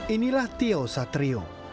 inilah tio satrio